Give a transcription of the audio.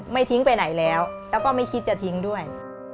ไม่ทิ้งไปไหนแล้วแล้วก็ไม่คิดจะทิ้งด้วย